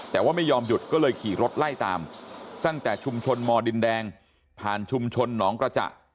แต่ว่าไม่ยอมหยุดก็เลยขี่รถไล่ตามตั้งแต่ชุมชนมดินแดงผ่านชุมชนหนองกระจ่า